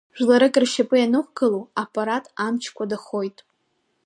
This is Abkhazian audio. Жәларык ршьапы ианықәгылоу, аппарат амч кәадахоит.